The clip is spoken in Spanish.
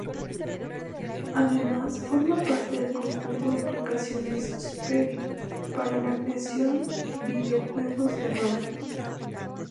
Además forma parte del conjunto de aplicaciones Sphere, para la creación videojuegos de rol.